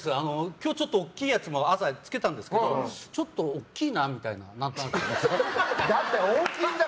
今日、ちょっと大きいやつも朝つけたんですけどちょっと大きいなみたいな何となく。